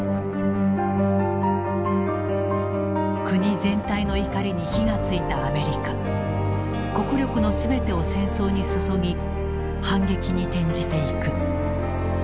国全体の怒りに火がついたアメリカ国力の全てを戦争に注ぎ反撃に転じていく。